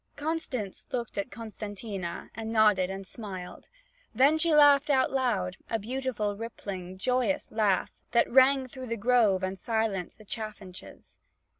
Constance looked at Costantina, and nodded and smiled. Then she laughed out loud, a beautiful rippling, joyous laugh that rang through the grove and silenced the chaffinches.